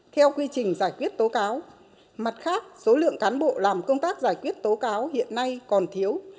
theo quy trình giải quyết tố cáo mặt khác số lượng cán bộ làm công tác giải quyết tố cáo hiện nay còn thiếu